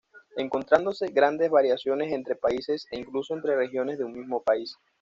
Encontrándose grandes variaciones entre países e incluso entre regiones de un mismo país.